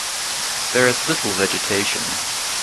There is little vegetation.